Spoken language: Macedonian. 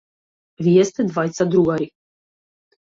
Вие сте двајца другари.